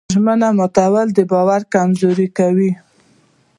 ژمنه ماتول د باور کمزوري کوي.